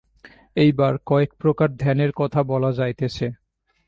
এইবার কয়েকপ্রকার ধ্যানের কথা বলা যাইতেছে।